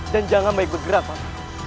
dan jangan baik bergerak pak